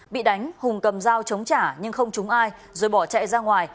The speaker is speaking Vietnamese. bị đánh hùng cầm dao chống trả nhưng không trúng ai rồi bỏ chạy ra ngoài